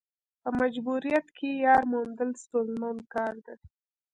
په مجبوریت کې یار موندل ستونزمن کار دی.